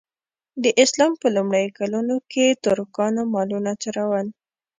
د اسلام په لومړیو کلونو کې ترکانو مالونه څرول.